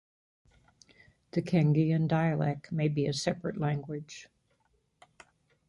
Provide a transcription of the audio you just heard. The Kangean dialect may be a separate language.